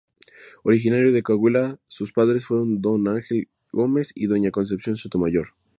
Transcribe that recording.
Originario de Coahuila, sus padres fueron Don Ángel Gómez y Doña Concepción Sotomayor.